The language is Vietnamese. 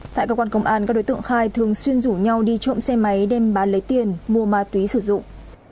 tại cơ quan công an các đối tượng khai thường xuyên rủ nhau đi trộm xe máy đem bán lấy tiền mua ma túy sử dụng